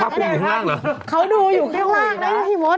ภาคภูมิอยู่ข้างล่างหรอเขาดูอยู่ข้างล่างได้ไหมพี่มด